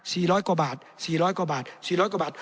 ร้อยกว่าบาทสี่ร้อยกว่าบาทสี่ร้อยกว่าบาท